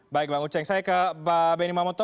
baik pak uceng saya ke pak benny mamoto